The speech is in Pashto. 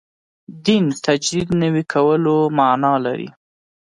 دین تجدید نوي کولو معنا لري.